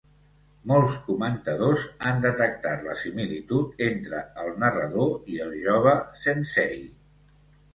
Molts comentadors han detectat la similitud entre el narrador i el jove "sensei".